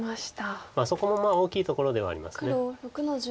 そこも大きいところではあります。